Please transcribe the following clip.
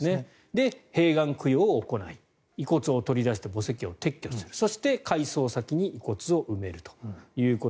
で、閉眼供養を行い遺骨を取り出して墓石を撤去するそして改葬先に遺骨を埋めるということ。